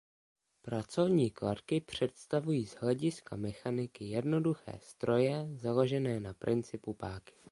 Pracovní kladky představují z hlediska mechaniky jednoduché stroje založené na principu páky.